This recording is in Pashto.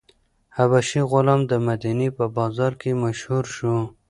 حبشي غلام د مدینې په بازار کې مشهور شو.